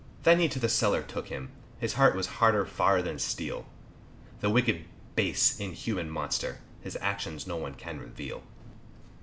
Then he to the cellar took him, His heart was harder far than steel, The wicked, base, inhuman monster, His actions no one can reveal.